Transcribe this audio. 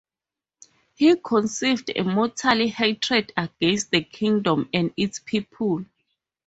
He conceived a mortal hatred against the kingdom and its people.